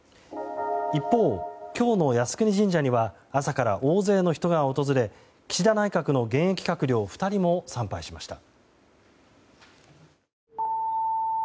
一方、今日の靖国神社には朝から大勢の人が訪れ岸田内閣の現役閣僚２人も参拝しました。